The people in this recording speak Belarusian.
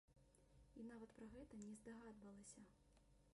І нават пра гэта не здагадвалася.